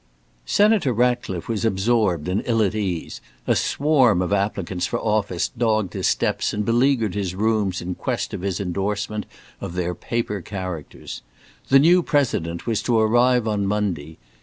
Senator Ratcliffe was absorbed and ill at ease. A swarm of applicants for office dogged his steps and beleaguered his rooms in quest of his endorsement of their paper characters. The new President was to arrive on Monday.